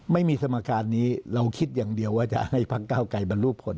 ไม่มีสมการนี้เราคิดอย่างเดียวว่าจะให้พักเก้าไกลบรรลุผล